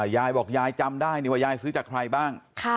ยายบอกยายจำได้นี่ว่ายายซื้อจากใครบ้าง